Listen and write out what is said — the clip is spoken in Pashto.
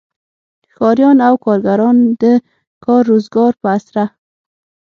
ښاریان او کارګران د کار روزګار په اسره.